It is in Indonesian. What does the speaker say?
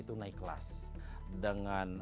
itu naik kelas dengan